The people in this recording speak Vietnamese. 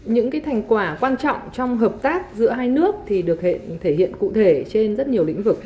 những thành quả quan trọng trong hợp tác giữa hai nước được thể hiện cụ thể trên rất nhiều lĩnh vực